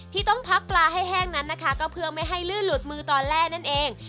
ที่ต้องพักปลาให้แห้งนั้นนะคะก็เพื่อไม่ให้ลื่นหลุดมือตอนแรกนั่นเอง